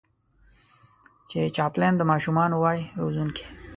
چې چاپلين د ماشومانو وای روزونکی